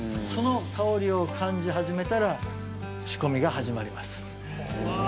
その香りを感じ始めたら、仕込みが始まります。